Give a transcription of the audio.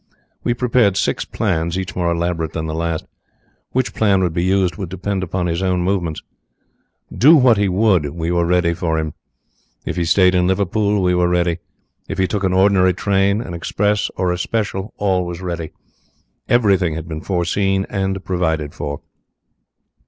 We prepared six plans, each more elaborate than the last; which plan would be used would depend upon his own movements. Do what he would, we were ready for him. If he had stayed in Liverpool, we were ready. If he took an ordinary train, an express, or a special, all was ready. Everything had been foreseen and provided for.